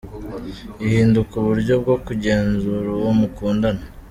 Ihinduka uburyo bwo kugenzura uwo mukundana.